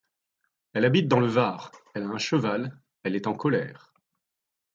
Elle habite dans le Var, elle a un cheval, elle est en colère.